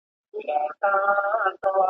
ملنګه ! ستوري څۀ وائي چې ځمکې ته راګوري؟ `